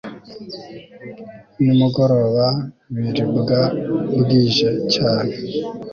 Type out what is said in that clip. nimugoroba biribwa bwije cyane